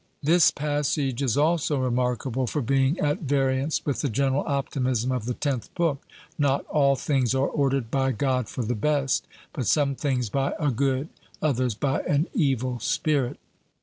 This passage is also remarkable for being at variance with the general optimism of the Tenth Book not 'all things are ordered by God for the best,' but some things by a good, others by an evil spirit.